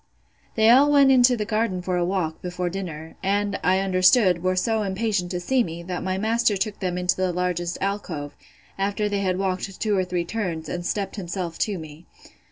They all went into the garden for a walk, before dinner; and, I understood, were so impatient to see me, that my master took them into the largest alcove, after they had walked two or three turns, and stept himself to me.